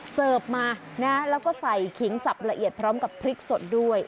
เสิร์ฟมานะแล้วก็ใส่ขิงสับละเอียดพร้อมกับพริกสดด้วย